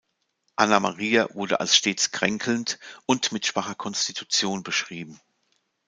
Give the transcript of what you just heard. Anna Maria wurde als stets kränkelnd und mit schwacher Konstitution beschrieben.